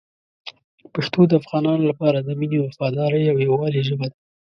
پښتو د افغانانو لپاره د مینې، وفادارۍ او یووالي ژبه ده.